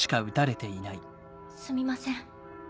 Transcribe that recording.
すみません。